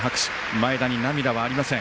前田に涙はありません。